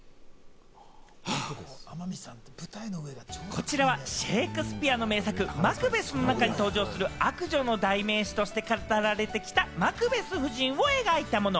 こちらはシェイクスピアの名作『マクベス』の中に登場する、悪女の代名詞として語られてきたマクベス夫人を描いたもの。